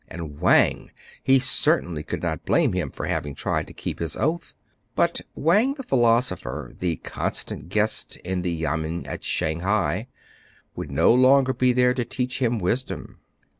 And Wang ! he certainly could not blame him for having tried to keep his oath ; but Wang the philosopher, the constant guest in the yamen at Shang hai, would no longer be there to teach him wisdom.